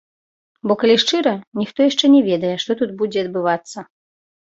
Бо калі шчыра, ніхто яшчэ не ведае, што тут будзе адбывацца.